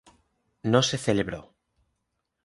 No se celebró